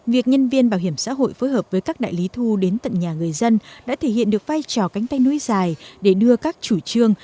việc nhân viên bảo hiểm xã hội phối hợp với các đại lý thu đến tận nhà người dân đã thể hiện được vai trò cánh tay nối dài để đưa các chủ trương